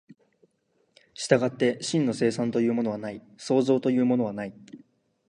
従って真の生産というものはない、創造というものはない。